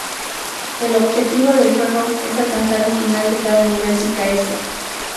El objetivo del juego es alcanzar el final de cada nivel sin caerse.